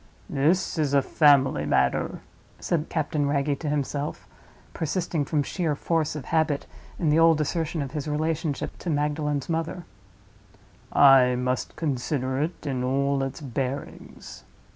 "This is a family matter," said Captain Wragge to himself, persisting, from sheer force of habit, in the old assertion of his relationship to Magdalen's mother; "I must consider it in all its bearings."